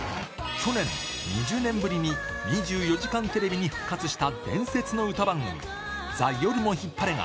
去年、２０年ぶりに２４時間テレビに復活した伝説の歌番組、ＴＨＥ夜もヒッパレが、